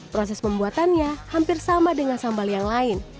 proses pembuatannya hampir sama dengan sambal yang lain